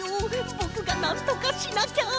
ぼくがなんとかしなきゃ！